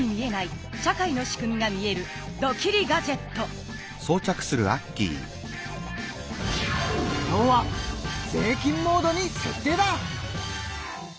これは今日は税金モードに設定だ！